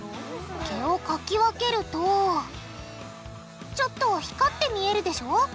毛をかき分けるとちょっと光って見えるでしょ。